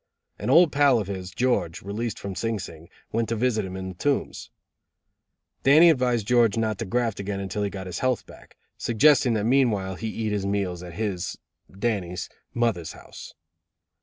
An old pal of his, George, released from Sing Sing, went to visit him in the Tombs. Dannie advised George not to graft again until he got his health back, suggesting that meanwhile he eat his meals at his (Dannie's) mother's house.